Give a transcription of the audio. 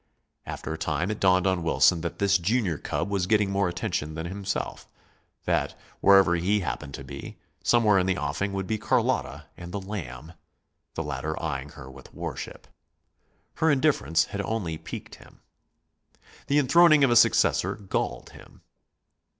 After a time it dawned on Wilson that this junior cub was getting more attention than himself: that, wherever he happened to be, somewhere in the offing would be Carlotta and the Lamb, the latter eyeing her with worship. Her indifference had only piqued him. The enthroning of a successor galled him.